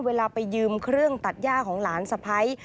เวลาไปยืมเครื่องตัดย่าของหลานสะพ้าย